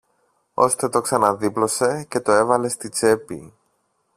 ώστε το ξαναδίπλωσε και το έβαλε στην τσέπη.